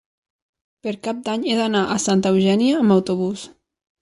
Per Cap d'Any he d'anar a Santa Eugènia amb autobús.